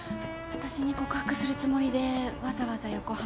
あたしに告白するつもりでわざわざ横浜まで。